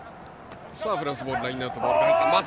フランスボールのラインアウト。